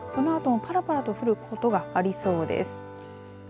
このあともぱらぱらと降ることがありそうです。